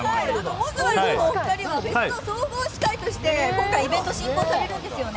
オズワルドの２人は今回総合司会として今回イベント進行されるんですよね。